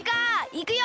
いくよ！